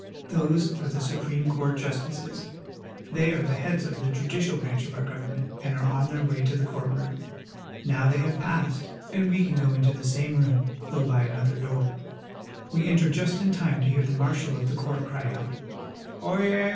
Those are the Supreme Court justices. They are the heads of the judi cial branch of our government, and are on their way to the court room. Now they have passed, and we can go into the same room, though by another door. We enter just in time to hear the marshal of the court cry out :" Oyez